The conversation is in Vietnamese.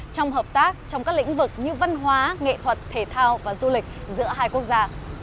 trong hợp tác trong các lĩnh vực như văn hóa nghệ thuật thể thao và du lịch giữa hai quốc gia